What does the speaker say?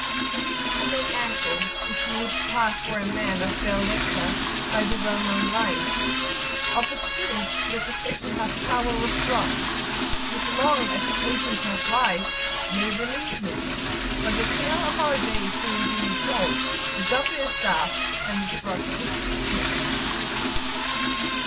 To which you will make answer, if you would pass for a man of belles lettres, by the well known lines, "Of a truth, the physician hath power with drugs, Which, long as the patient hath life, may relieve him; But the tale of our days being duly told, The doctor is daft, and his drugs deceive him."